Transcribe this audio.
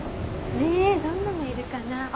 ねえどんなのいるかなあ。